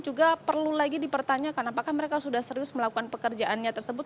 juga perlu lagi dipertanyakan apakah mereka sudah serius melakukan pekerjaannya tersebut